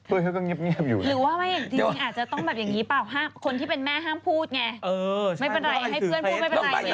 เว้ยเค้าก็เงียบอยู่เนี่ย